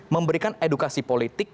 memberikan edukasi politik